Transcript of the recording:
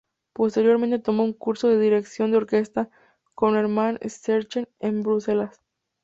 Posteriormente tomó un curso de dirección de orquesta con Hermann Scherchen, en Bruselas.